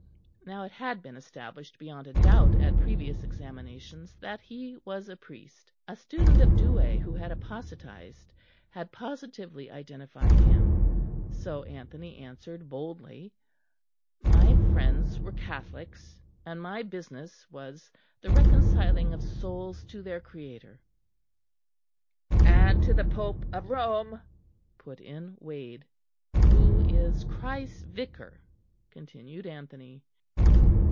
Now it had been established beyond a doubt at previous examinations that he was a priest; a student of Douai who had apostatised had positively identified him; so Anthony answered boldly: "My friends were Catholics; and my business was the reconciling of souls to their Creator." "And to the Pope of Rome," put in Wade. "Who is Christ's Vicar," continued Anthony.